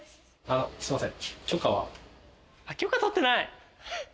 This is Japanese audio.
すいません。